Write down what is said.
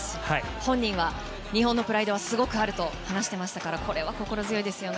本人は日本のプライドはすごくあると話していましたからこれは心強いですね。